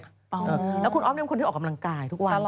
แล้วคุณอ๊อฟเป็นคนที่ออกกำลังกายทุกวัน